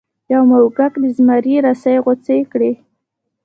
یو موږک د زمري رسۍ غوڅې کړې.